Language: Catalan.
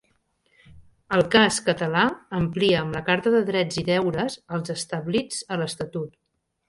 El cas català amplia amb la Carta de Drets i Deures els establits a l'estatut.